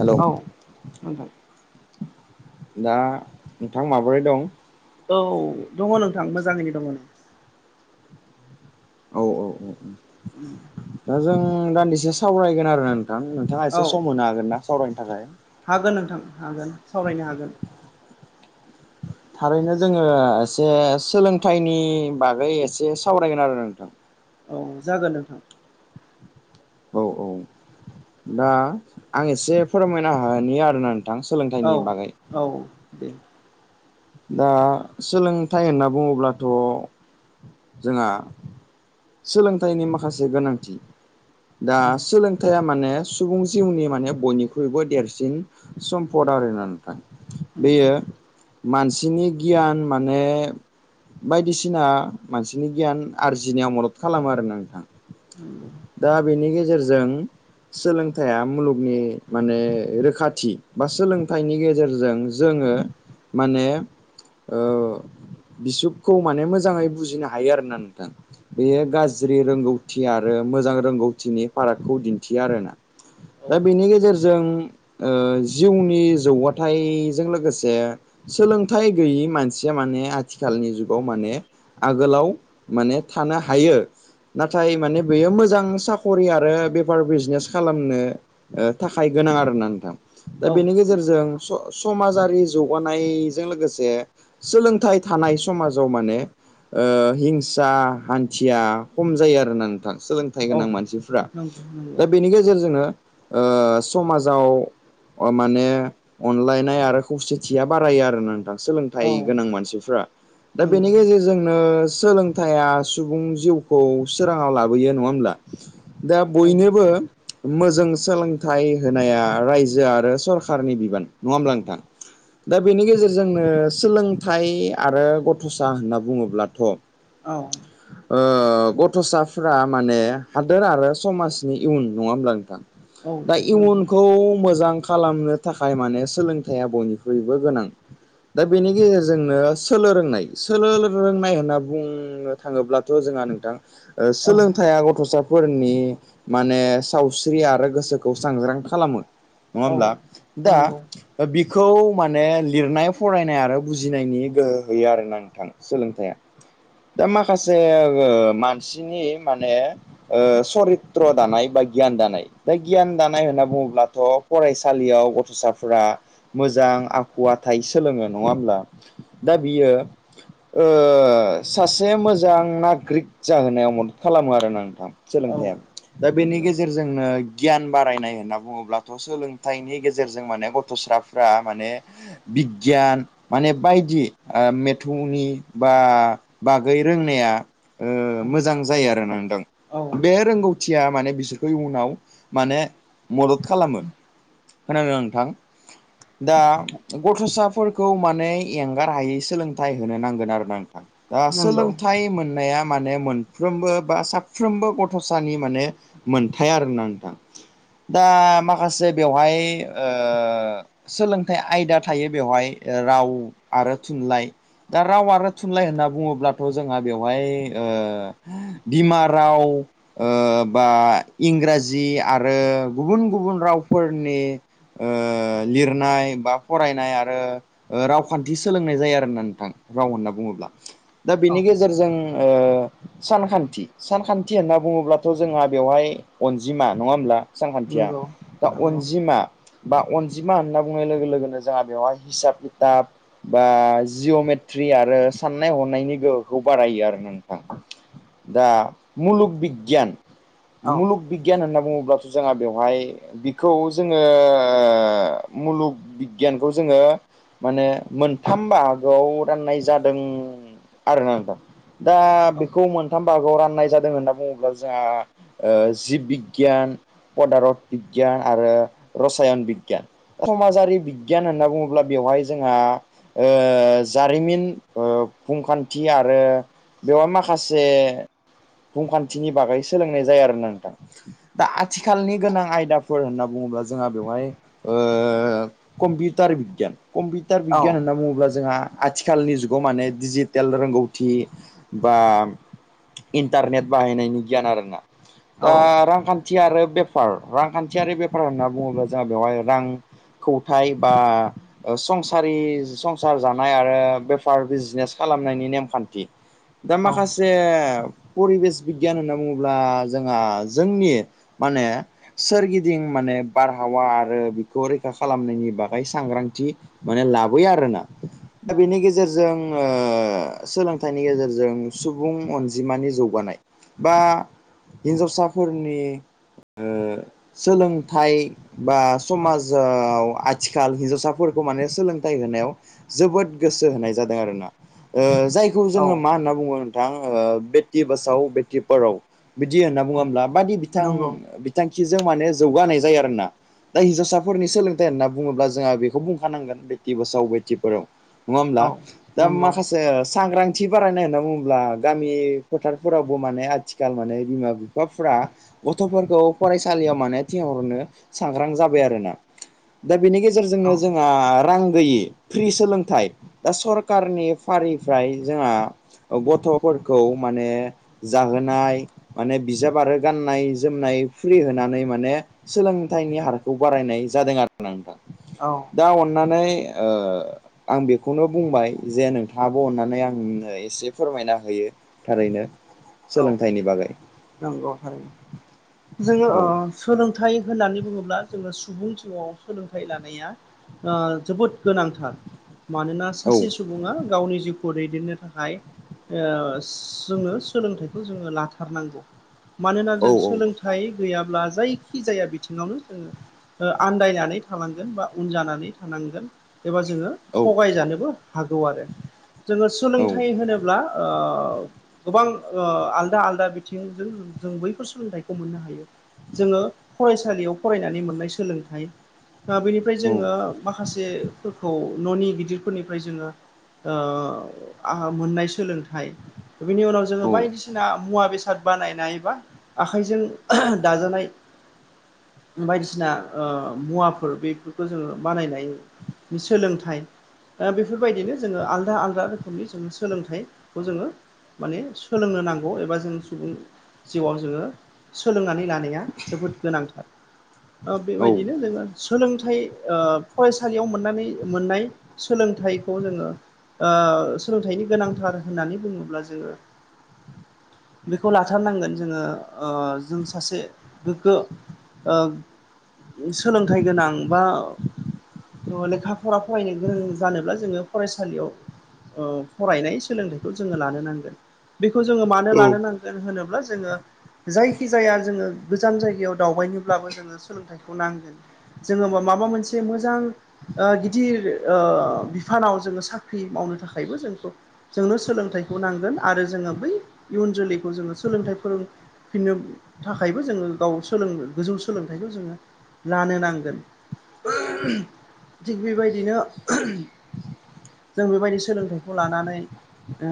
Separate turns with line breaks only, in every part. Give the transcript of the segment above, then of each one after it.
Hello
औ नोंथां
दा नोंथां माबोरै दं
औ दङ नोंथां मोजाङैनो दङ न
औ औ औ औ
ओम
दा जों दान्दिसे सावरायगोन आरो नोंथां नोंथाङा एसे
औ
सम होनो हागोन ना सावरायनो थाखाय
हागोन नोंथां हागोन सावरायनो हागोन
थारैनो जोङो एसे सोलोंथाइनि बागै एसे सावरायगोन आरो नोंथां
औ जागोन नोंथां
औ औ दा आं एसे फोरमायनो हानि आरोना नोंथां सोलोंथाइनि
औ
बागै
औ दे
दा सोलोंथाइ होनना बुङोब्लाथ' जोंहा सोलोंथाइनि माखासे गोनांथि दा सोलों खोथाया माने सुबुं जिउनि माने बयनिख्रुइबो देरसिन सम्फद आरो ना नोंथां बेयो
नंगौ
मानसिनि गियान माने बायदिसिना मानसिनि गियान आरजिनायाव मदद खालामो आरोना नोंथां
ओम
दा बेनि गेजेरजों सोलोंथाइया मुलुगनि माने रोखाथि बा सोलोंथाइनि गेजेरजों जोङो माने ओ बिसुकखौ माने मोजाङै बुजिनो हायो आरोना नोंथां बेयो गाज्रि रोंगौथि आरो मोजां रोंगौथिनि फारागखौ दिन्थियो आरोना
नंगौ औ
दा बिनि गेजेर जों जिउनि जौगाथायाइजों लोगोसे सोलोंथाइ गैयि मानसिया माने आथिखालनि जुगाव माने आगोलाव माने थानो हायो नाथाय माने बेयो मोजां साख'रि आरो बेफार बिजनेस खालामनो थाखाय गोनां आरो ना नोंथां दा
औ
बेनि
नंगौ
गेजेरजों समाजारि जुगाव नाय जों लोगोसे सोलोंथाइ थानाय समाजाव माने हिंसा हान्थिया खम जायो आरोना नोंथां सोलों फथाय गोनां
औ
मानसिफ्रा
नंगौ
दा
नंगौ
बेनि गेजेरजोंोनो समाजाव माने अनलायनाय आरो खौसेथि थिया बारायो आरो नोंथां सोलोंथाइ गोनां मानसिफ्रा
औ
दा बेनि
नंगौ
गेजेरजोंनो सोलों खथाया सुबुं जिउखौ सोराङाव लाबोयो नङा होमब्ला दा
औ
बयनोबो मोजां सोलोंथाइ होनाया रायजो आरो सरखारारनि बिबान नङा हब्ला नोंथां दा बेनि गेजेरजोंनो सोलोंथाइ आरो गथ'सा होनना बुङोब्लाथ'
औ औ
गथ'साफ माने हादोर आरो समाजनि इयुन नङा होमब्ला नोंथां दा
नंगौ
इयुनखौ मोजां खालामनो थाखाय माने सोलोंथाइया बयनिुइ बयबो गोनां दा बेनि गेजेरजोंनो सोलोलो रोंनाय सोलोलो रोंनाय होनना बुङो थाङोब्लाथ' जोंहा नोंथां
औ
सोलोंथया गथ'सा फोरनि माने सावस्रि आरो गोसोखौ स्रांग्रां खालामो नङा
औ
होमब्ला दा
नंगौ
बिखौ माने लिरनाय फरायनाय आरो बुजिनायनि गोहो होयो आरोोना नोंथां सोलोंथाइया दा माखासे मानसिनि माने ओ सरित्र दानाय बा गियान दानाय दा गियान दानाय होनना बुङोब्लाथ' फरायसालियाव गथ'साफोरा मोजां आखुवथाय सोलोङो नङा होमब्ला दा बियो सासे मोजां नागरिक जाहोनायाव मदद खालामो आरोोना नोंथां
औ
सोलोंथाइया दा बेनि
नंगौ
गेजेरजोंनो गियान बारायनाय होनना बुङोब्लाथ' सोलोंथाइनि गेजेरजों माने गथ'साफ्रा माने बिगियान माने बायदि मेथौनि बा बागै रोंनाया
औ
मोजां जायो आरो ना
औ
बे रोंगौथिया माने बिसोरखौ इयनाव माने मदद खालामो खोनाबादों नोंथां दा गथ'साफोरखौ माने एंगार हायै सोलोंथाइ होनो नांगोन आरो ना दा
नंगौ
सोलोंथाइ मोननाया माने मोन साफ्रोमबो बा साफ्रोमबो गथ'सानि माने मोनथाय आरोना नोंथां दा माखासे बेवहाय सोलोंथाइ आयदा थायो बेवहाय राव आरो थुनलाइ दा राव आरो थुनलाइ होनना बुङोब्लाथ' जोंहा बेवहाय बिमा राव बा इंराजि आरो गुबुन गुबुन रावफोरनि लिरनाय बा फरायनाय आरो रावखान्थि सोलोंनाय जायो आरोा नोंथां राव होनना बुङोब्ला दा बेनि
औ
गेजेरजों ओ सानखान्थि सानखान्थि होनना बुङोब्लाथ' जोंहा बेवहाय अनजिमा नङा होमब्ला सांगखान्थिया
नंगौ
दा
नंगौ
अनजिमा बा अनजिमा होनना बुंनाय लोगो लोगोनो जोंहा बेवहाय हिसाब लिथाब बा जिअ'मेट्रि आरो साननाय हनायनि गोहोखौ बारायो आरो नोंथां दा मुलुग बिगियान
औ
मुलुग बिगियान होनना बुङोब्लाथ' जोंहा बेवहाय बिखौ जोङो ओ मुलुग बिगियानखौ जोङो माने मोनथाम बागोआव राननाय जादों आरो ना नोंथां। दा
औ
बेखौ मोन थाम बागाव राननाय जादों होनना बुङोब्ला जोंहा जिब बिगियान पदारत बिगियान आरो रसायन बिगियान समाजारि बिगियान होनना बुङोब्ला बेवहाय जोंहा ओ जारिमिन ओ फुंखान्थि आरो बेवयावहाय माखासे बुंखान्थिनि बागै सोलोंनाय जाया आरो ना नोंथां दा आथिखालनि गोनां आयदाफोर होनना बुङोब्ला जोंहा बेवहाय ओ कम्पिउटार बिगियान कम्पिउटार
औ
बिगियान होनना बुङोब्ला जोंहा आथिखालनि जुगाव माने डिजिटेल रोंगौथि बा इन्टारनेट बाहायनायनि गियान आरोना
औ
दा रांखान खान्थि आरो बेफार रांखान्थियारि बेफार होनना बुङोब्ला जोंहा बेवहाय रां खौथाय बा संसारि संसार जानाय आरो बेफार बिजनेस खालामनायनि नेमखान्थि। दा
औ
माखासे परिबेस बिगियान होनना बुङोब्ला जोंहा जोंनि माने सोरगिदिं माने बारहावा आरो बेखौ रैखा खालामनायनि बागै सांग्रांथि माने लाबोयो आरो ना दा बेनि गेजेरजों ओ सोलोंथाइनि गेजेरजों सुबुं अनजिमानि जौगानाय बा हिनजावसाफोरनि ओ सोलोंथाइ बा समाज जाव आथिखाल हिन्जावसाफोरखौ माने सोलोंथाइ होनायाव जोबोद गोसो होनाय जादों आरोना ओ जायखौ
औ
जोङो मा होनना बुङो नोंथां ओ बे टि बासाव बेटिपाराव बिदि होनना
औ
बुङोब्ला बादि बिथां
नंगौ
बिथांखिजों माने जौग होनानाय जायो आरो ना। दा हिन्जावसाफोरनि सोलोंथाइ होनना बुङोब्ला जोंहा बेखौ बुंखानांगोन बेटि बोसाव बेटिफोराव नङा होमब्ला
औ
दा
नंगौ
माखासे सांग्रांथि बारायनाय होनना बुङोब्ला गामि फोथारफोरावबो माने आथिखाल माने बिमा बिफाफोरा गथ'फोरखौ फरायसालियाव माने थिनहरनो सांग्रां जाबाय आरोना। दा बेनि
औ
गेजेरजोंनो जोंहा रां गैयि फ्रि सोलोंथाइ दा सरकारनि फारिफ्राय जोंहा गथ'फोरखौ माने जाहोनाय माने बिजाब आरो गाननाय जोमनाय फ्रि होनानै माने सोलोंथाइनि हारखौ बारायनाय जादों आरोना नोंथां।
औ
दा अननानै ओ आं बेखौनो बुंबाय जे नोंथाङाबो आंनो अननानै आंनो एसे फोरमायना होयो थारैनो
औ
सोलोंथाइनि बागै।
नंगौ थारैनो
[inaudible]
जोङो ओ
औ
सोलोंथाइ होननानै बुङोब्ला जोङो सुबुं जिउआव सोलोंथाइ लानाया ओ जोबोद गोनांथार मानोना सासे सुबुङा गावनि जिउखौ दैदेननो थाखाय ओ जोङो सोलोंथाइखौ जोंङो लाथारनांगौ मानोना
औ
जों
औ
सोलों थाइ गैयाब्ला जायखि जाया बिथिङावनो जोङो ओ आन्दायनानै थानांगोन बा उन जानानै थानांगोन एबा जोङो
औ
थगायजानोबो हागौ आरो जोङो
औ
सोलोंथाइ होनोब्ला ओ गोबां ओ आलदा आलदा बिथिंजों जों बैफोर सोलोंथाइखौ मोननो हायो। जोङो फरायसालियाव फरायनानै मोननाय सोलोंथाइ दा बेनिफ्राय
औ
जोङो माखासेफोरखौ न'नि गिदिरफोरनिफ्राय जोङो ओ मोननाय सोलोंथाइ बिनि उनाव जों
औ
बायदिसिना मुवा बेसाद बानायनाय बा आखाइजों दाजानाय बायदिसिना मुवाफोर बेफोरखौ जोङो बानायनाय बे सोलोंथाइ दा बेफोरबायदिनो जोङो आलादा आलदा रोखोमनि जोङो सोलोंथाइखौ जोङो माने सोलोंनो नांगौ एबा जों सुबुं जिउआव जोङो सोलोंनानै लानो जोबोद गोनांथार बेबायदिनो
औ
जोङो सोलोंथाइ फरायसालियाव मोननानै मोननाय सोलोंथाइखौ जोङो सोलोंथाइनि गोनांथार होननानै बुङोब्ला जोङो बेखौ लाथारनांगोन जोङो जों सासे गोग्गो सोलोंथाइ गोनां बा लेखा फरा फरायनो गोरों जानोब्ला जोङो फरायसालियाव फरायनाय सोलोंथाइखौ जोङो लानो नांगोन बेखौ जोङो मानो लानो नांगोन जायखिजाया जोङो गोजान जायगायाव दावबायनोब्लाबो जोङो सोलोंथाइखौ नांगोन जोङो माबा मोनसे मोजां गिदिर बिफानाव जोङो साख्रि मावनो थाखायबो जोंखौ जोंनो सोलोंथाइखौ नांगोन आरो जोङो बै इयुन जोलैखौ जोङो सोलोंथाइ फोरों फिननो थाखायबो जोङो गाव सोलोंनो गोजौ सोलोंथाइखौ जोङो लानो नांगोन थिग बेबायदिनो जों बेबायदि सोलोंथाइखौ लानानै ओ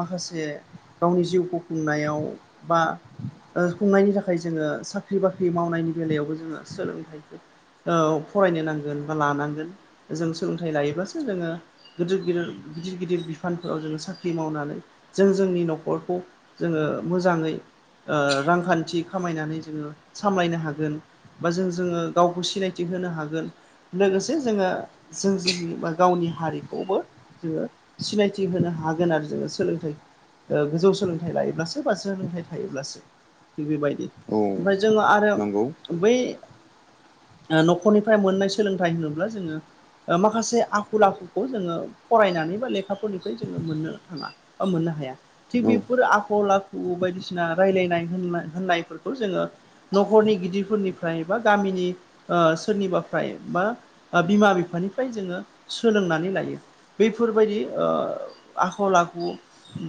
माखासे गावनि जिउखौ खुंनायाव बा खुंनायनि थाखाय जोङो साख्रि बाख्रि मावनायनि बेलायावबो जोङो सोलोंथाइखौ फरायनो नांगोन बा लानांगोन जों सोलोंथाइ लायोबासो जोङो गिदिर गिदिर गिदिर गिदिर बिफानफोराव जोङो साख्रि मावनानै जों जोंनि न'खरखौ जोङो मोजाङै ओ रांखान्थि खामायनानै जोङो सामलायनो हागोन बा जों जोङो गावखौ सिनायथि होनो हागोन लोगोसे जोङो जों गावनि हारिखौबो जोङो सिनायथि होनो हागोन आरो जोङो सोलोंथाइ गोजौ सोलोंथाइ लायोब्लासो बा सोलोंथाइ थायोब्लासो थिग बेबायदि
औ
ओमफ्राय जोङो आरो
नंगौ
बै न'खरनिफ्राय मोननाय सोलोंथाइ होनोब्ला जोङो माखासे आखल आखुखौ जोङो फरायनानै बा लेखाफोरनिफ्राय जोङो मोननो थाङा औ मोननो हाया थिग
औ
बेफोर आखल आखु बायदिसिना रायलायनाय होन होननायफोरखौ जोङो न'खरनि गिदिरफोरनिफ्राय बा गामिनि सोरनिबाफ्राय बा बिमा बिफानिफ्राय जोङो सोलोंनानै लायो बेैफोरबायदि आखल आखु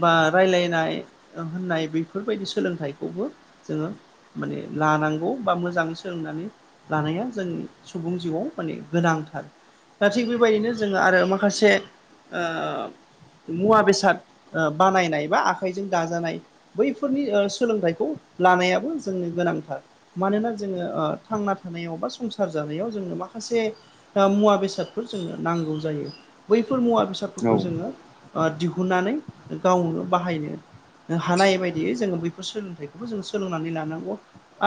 बा रायलायनाय होननाय बेफोरबायदि सोलोंथाइखौबो जोङो माने लानांगौ बा मोजाङै सोलोंनानै लानाया जोंनि सुबुं जिउआव माने गोनांथार दा थिग बेबायदिनो जोङो आरो माखासे मुवा बेसाद बानायनाय बा आखाइजों दाजानाय बैफोरनि सोलोंथाइखौ लानायाबो जोंनो गोनांथार मानोना जोङो थांना थानायाव बा संसार जानायाव जोंनो माखासे मुवा बेसादफोर जोंनो नांगौ जायो बैफोर मुवा बेसाद
औ
फिसाफोरखौ जोङो दिहुननानै गावनो बाहायनो हानाय बायदियै जोङो बैफोर सोलोंथाइखौबो जों सोलोंनानै लानांगौ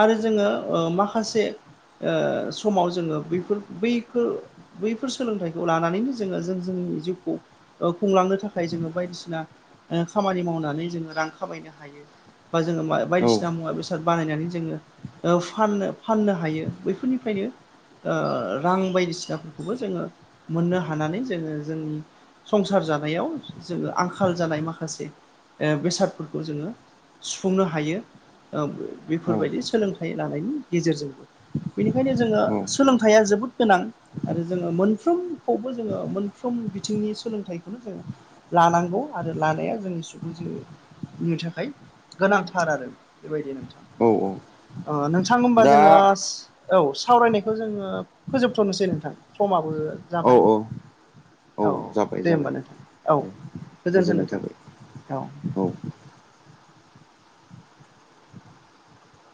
आरो जोङो माखासे समाव जोङो बफोर बैफोर बैफोर सोलोंथाइखौ लानानैनो जोङो जों जोंनि जिउखौ खुंलांनो थाखाय जोङो बायदिसिना ओ खामानि मावनानै जोङो रां खामायनो हायो बा जोङो बायदिसिना मुवा बेसाद बानायनानै जोङो फाननो फाननो हायो बैफोरनिफ्रायनो रां बायदिसिनाफोरखौबो जोङो मोननो हानानै जोङो जोंनि संसार जानायाव जोङो आंखाल जानाय माखासे बेसादफोरखौ जोङो सुफुंनो हायो
औ
बेफोरबायदि सोलोंथाइ लानायनि गेजेरजोंबो बेनिखायनो जोङो
औ
सोलोंथाइया जोबोद गोनां आरो जोङो मोनफ्रोमखौबो जोङो मोनफ्रोम बिथिंनि सोलोंथाइखौनो जोङो लानांगौ आरो लानाया जोंनि सुबुंनि थाखाय गोनांथार आरो बेबायदि
औ
नोंथां नोंथां होनबा जोङो
दा
औ सावरायनायखौ जोङो फोजोबथ'नोसै नोंथां समाबो
औ
जाबाय
औ
औ
जाबाय
दे होनोमबा
जाबाय
नोंथां औ
दे
गोजोन्थों
गोजोननाय
नोंथां
थाबाय
औ